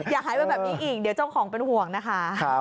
อย่าหายไปแบบนี้อีกเดี๋ยวเจ้าของเป็นห่วงนะคะ